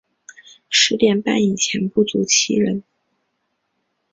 十点半以前不足七人